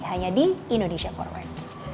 hanya di indonesia forward